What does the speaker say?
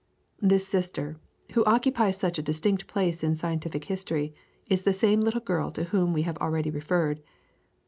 This sister, who occupies such a distinct place in scientific history is the same little girl to whom we have already referred.